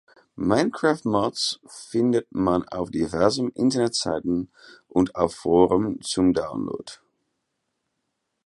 Minecraft-Mods findet man auf diversen Internetseiten und auf Foren zum Download.